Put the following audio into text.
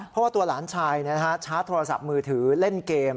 เพราะตัวหลานชายาตรท๖๐๐มือถือเล่นเกม